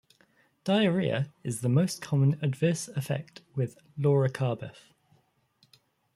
Diarrhea is the most common adverse effect with loracarbef.